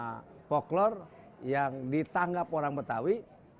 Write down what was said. sohibul hikayat itu adalah poklor yang ditanggap orang betawi